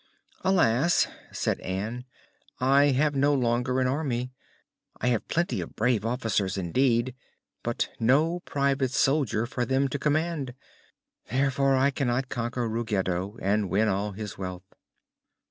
"Alas," said Ann, "I have no longer an Army. I have plenty of brave officers, indeed, but no private soldier for them to command. Therefore I cannot conquer Ruggedo and win all his wealth."